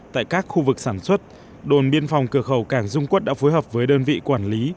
tại các khu vực sản xuất đồn biên phòng cửa khẩu cảng dung quốc đã phối hợp với đơn vị quản lý